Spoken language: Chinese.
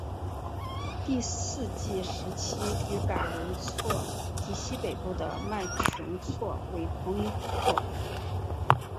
第四纪时期与嘎仁错及西北部的麦穷错为同一湖泊。